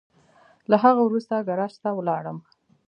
له هغه وروسته ګاراج ته ولاړم.